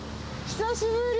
久しぶり。